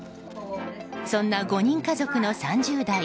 そんな５人家族の３０代。